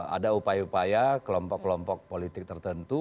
ada upaya upaya kelompok kelompok politik tertentu